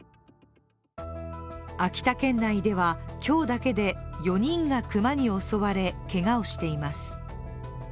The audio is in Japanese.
秋田県内では、今日だけで４人が熊に襲われけがをしています。